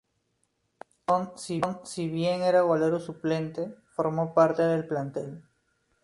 Gastón, si bien era golero suplente, formó parte del plantel.